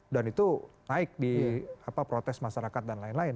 dan itu naik di protes masyarakat dan lain lain